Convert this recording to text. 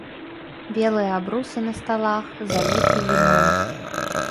Белыя абрусы на сталах заліты віном.